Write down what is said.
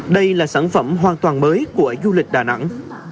đây là sản phẩm hoàn toàn mới của du lịch đà nẵng